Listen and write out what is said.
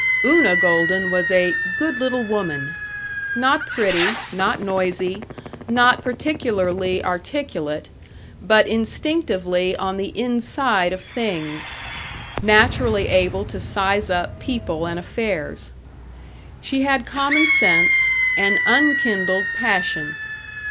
Una Golden was a "good little woman" not pretty, not noisy, not particularly articulate, but instinctively on the inside of things; naturally able to size up people and affairs. She had common sense and unkindled passion.